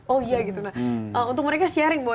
oh iya gitu lah untuk mereka sharing bahwa